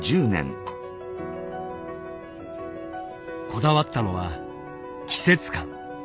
こだわったのは季節感。